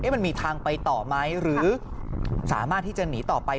มันมีทางไปต่อไหมหรือสามารถที่จะหนีต่อไป